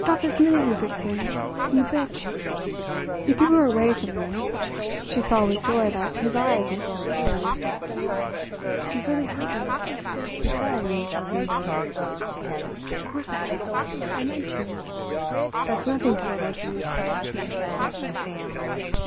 "Stop this minute—you vixen—you bitch." He threw her away from him. She saw with joy that his eyes were full of tears. "You've really hurt me," he said in a choking voice. "Of course I have. I meant to. That's nothing to what I'll do if you touch me again."